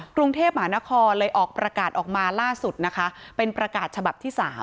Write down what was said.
กรุงเทพมหานครเลยออกประกาศออกมาล่าสุดนะคะเป็นประกาศฉบับที่๓